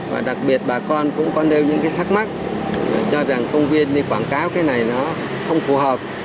và đặc biệt bà con cũng có nêu những cái thắc mắc cho rằng công viên đi quảng cáo cái này nó không phù hợp